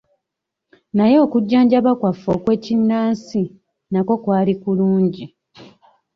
Naye okujjanjaba kwaffe okw'ekinnansi nakwo kwali kulungi.